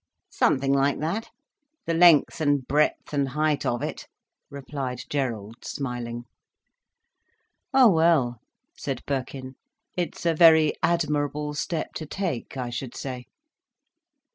"Something like that: the length and breadth and height of it," replied Gerald, smiling. "Oh well," said Birkin, "it's a very admirable step to take, I should say."